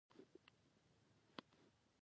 اسلامي سیاست د حق، انصاف او مشورې پر محور ولاړ دی.